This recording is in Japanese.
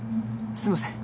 すいません。